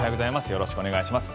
よろしくお願いします。